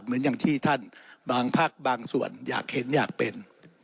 เหมือนอย่างที่ท่านบางพักบางส่วนอยากเห็นอยากเป็น